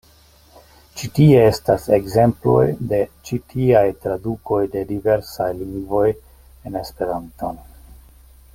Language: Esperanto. Ĉi tie estas ekzemploj de ĉi tiaj tradukoj de diversaj lingvoj en Esperanton.